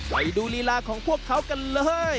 ไปดูลีลาของพวกเขากันเลย